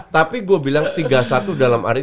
tapi gue bilang tiga satu dalam arti